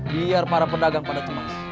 biar para pedagang pada cemas